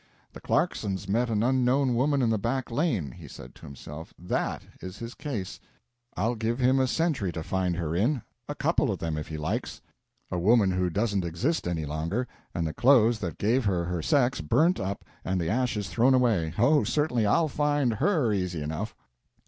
"The Clarksons met an unknown woman in the back lane," he said to himself "that is his case! I'll give him a century to find her in a couple of them if he likes. A woman who doesn't exist any longer, and the clothes that gave her her sex burnt up and the ashes thrown away oh, certainly, he'll find her easy enough!"